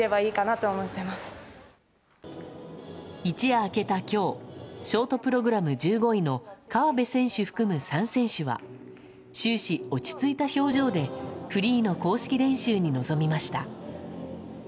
一夜明けた今日ショートプログラム１５位の河辺選手含む３選手は終始落ち着いた表情でフリーの公式練習に臨みました。